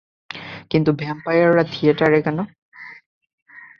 কিন্তু ভ্যাম্পায়াররা থিয়েটারে কেন?